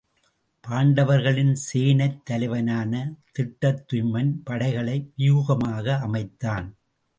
பாண்டவர்களின் சேனைத் தலைவனான திட்டத்துய்மன் படைகளை வியூகமாக அமைத்தான்.